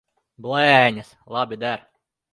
Blēņas! Labi der.